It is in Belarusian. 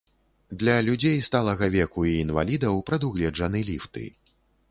Для людзей сталага веку і інвалідаў прадугледжаны ліфты.